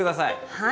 はい。